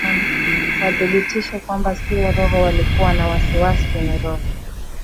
wadhibitishe kwamba sio roho walikuwa na wasiwasi ni roho